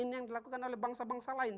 ini yang dilakukan oleh bangsa bangsa lain